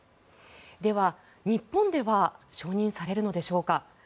では、日本では承認されるのでしょうか。